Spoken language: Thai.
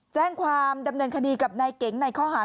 แจ้งความดำเนินคดีกับนายเก๋งในข้อหาร